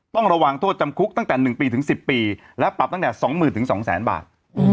ต้องระวังโทษจำคุกตั้งแต่๑ปีถึง๑๐ปีและปรับตั้งแต่๒๐๐๐๒๐๐๐บาท